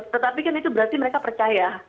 tetapi kan itu berarti mereka percaya